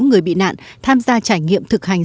người bị nạn tham gia trải nghiệm thực hành